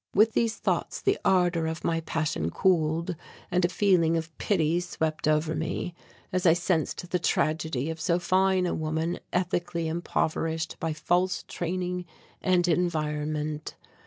With these thoughts the ardour of my passion cooled and a feeling of pity swept over me, as I sensed the tragedy of so fine a woman ethically impoverished by false training and environment.